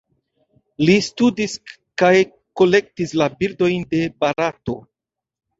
Li studis kaj kolektis la birdojn de Barato.